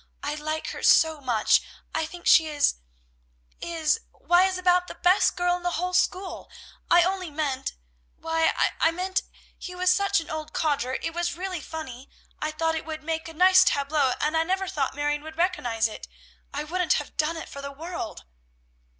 I like her so much; I think she is is, why is about the best girl in the whole school. I only meant why I meant he was such an old codger it was real funny; I thought it would make a nice tableau, and I never thought Marion would recognize it: I wouldn't have done it for the world!"